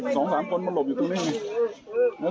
สองสามคนมาหลบอยู่ตรงนี้ไง